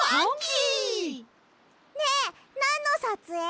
ねえなんのさつえい？